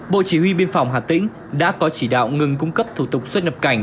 bộ chỉ huy biên phòng hà tĩnh đã có chỉ đạo ngừng cung cấp thủ tục xuất nhập cảnh